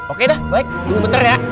oke dah baik tunggu bentar ya